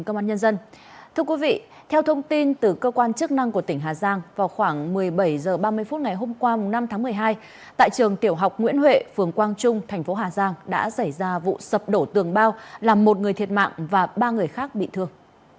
nguyễn huệ phường quang trung thành phố hà giang đã xảy ra vụ sập đổ tường bao làm một người thiệt mạng và ba người khác bị thương